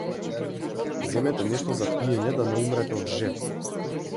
Земете нешто за пиење да не умрете од жед.